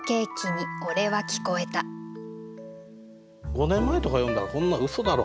５年前とか読んだら「こんなんうそだろ？」